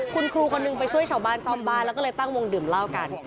คุณครูคนนึงไปช่วยชาวบ้านซ่อมบ้านแล้วก็เลยตั้งวงดื่มเหล้ากัน